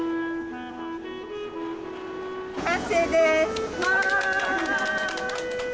完成です。